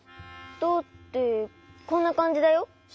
どうってこんなかんじだよ。